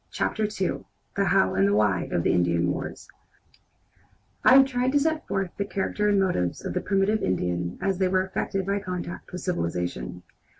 CHAPTER II THE HOW AND THE WHY OF INDIAN WARS I have tried to set forth the character and motives of the primitive Indian as they were affected by contact with civilization.